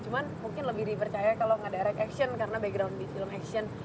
cuma mungkin lebih dipercaya kalau nggak direct action karena background di film action